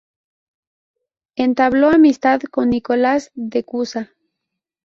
Entabló amistad con Nicolás de Cusa.